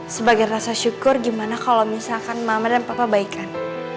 sebagai rasa syukur gimana kalau misalkan mama dan papa baikkan